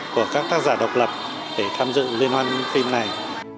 của các tác giả độc lập để tham dự liên hoan phim này